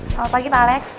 selamat pagi pak alex